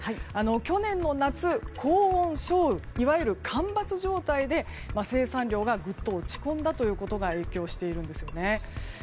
去年の夏、高温少雨いわゆる干ばつ状態で生産量がぐっと落ち込んだということが影響しているんですよね。